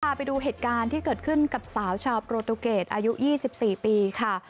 ไปดูเหตุการณ์ที่เกิดขึ้นกับสาวชาวโปรตูเกตอายุ๒๔ปีค่ะ